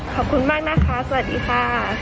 ขอบคุณมากนะคะสวัสดีค่ะ